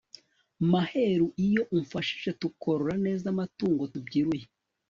maheru iyo umfashije tukorora neza amatungo tubyiruye